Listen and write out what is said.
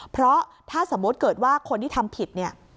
เพราะถ้าสมมุติเกิดว่าคนที่ทำผิดเนี่ย